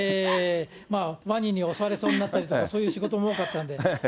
ワニに襲われそうになったりとか、そういう仕事も多かったんで。